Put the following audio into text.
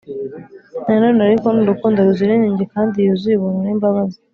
na none ariko ni urukundo ruzira inenge kandi yuzuye ubuntu n'imbabazi.